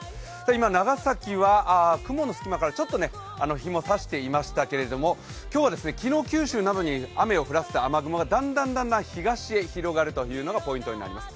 今、長崎は雲の隙間からちょっと日も差していましたけれども、今日は昨日、九州などに雨を降らせた雨雲がだんだん、だんだん東へ広がるというのがポイントになります。